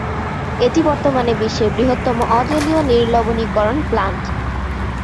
এটি বর্তমানে বিশ্বের বৃহত্তম অ-জলীয় নির্লবণীকরণ প্লান্ট।